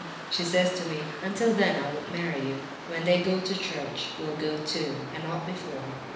Ha, ha! She says to me, 'Until then I won't marry you. When they go to church, we'll go too—and not before.